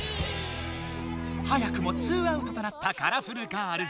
早くも２アウトとなったカラフルガールズ。